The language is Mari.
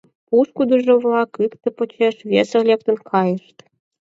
Пошкудыжо-влак икте почеш весе лектын кайышт.